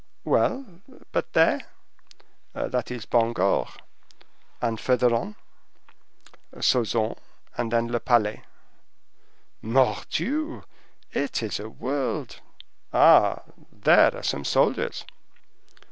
"Well, but there?" "That is Bangor." "And further on?" "Sauzon, and then Le Palais." "Mordioux! It is a world. Ah! there are some soldiers."